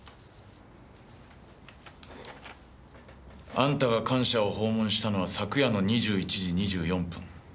あんたが官舎を訪問したのは昨夜の２１時２４分。